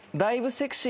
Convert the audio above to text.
セクシー。